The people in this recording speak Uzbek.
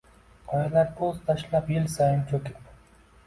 Qoyalar po‘st tashlab, yil sayin cho‘kib